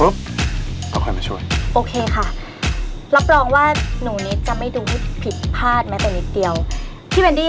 มาไหวไหวยังไงแบบนี้